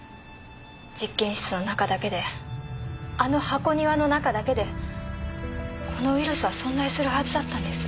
実験室の中だけであの箱庭の中だけでこのウイルスは存在するはずだったんです。